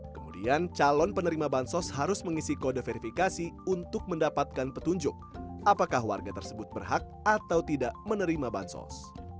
kemudian calon penerima bansos harus mengisi kode verifikasi untuk mendapatkan petunjuk apakah warga tersebut berhak atau tidak menerima bansos